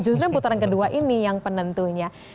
justru putaran kedua ini yang penentunya